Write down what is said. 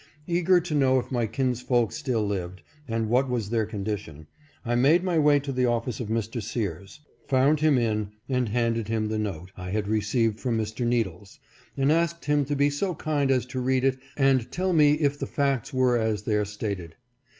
Eager to know if my kinsfolk still lived, and what was their condition, I made my way to the office of Mr. Sears, found him in, and handed him the note I had received from Mr. Needles, and asked him to be so kind as to read it and to tell me if the facts were as there stated.